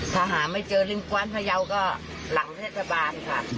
ถ้าหาไม่เจอริมกว้านพยาวก็หลังเทศบาลค่ะ